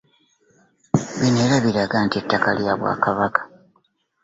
Bino era biraga nti ettaka lya Bwakabaka